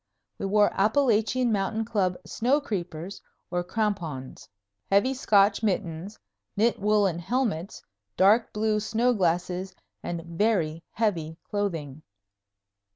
We wore Appalachian Mountain Club snow creepers, or crampons, heavy Scotch mittens, knit woolen helmets, dark blue snow glasses, and very heavy clothing.